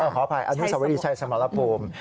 ขออภัยอนุสวรีชัยสมรภูมิ